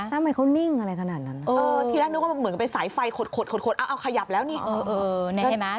ทำไมเค้านิ่งอะไรขนาดนั้น